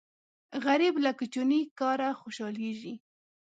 غریب له کوچني کاره خوشاليږي